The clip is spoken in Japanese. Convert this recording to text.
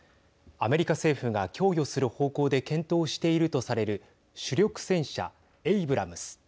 アメリカ政府が供与する方向で検討しているとされる主力戦車エイブラムス。